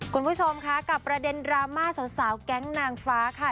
คุณผู้ชมค่ะกับประเด็นดราม่าสาวแก๊งนางฟ้าค่ะ